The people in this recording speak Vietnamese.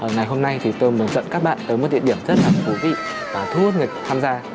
ngày hôm nay thì tôi mừng dẫn các bạn tới một địa điểm rất là thú vị và thu hút người tham gia